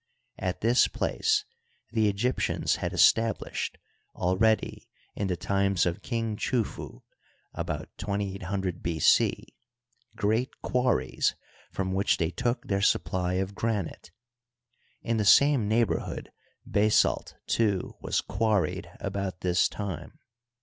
At this place the Egyptians had established, already in the times of King Chufu (about 2800 B. C), great quarries from which they took their supply of granite. In the same neighborhood basalt, too, was quarried about this time.